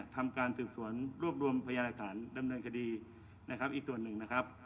ทำการตืบสวนรวบรวมพยายามเลขฐานดำเนินคดีอีกส่วนหนึ่ง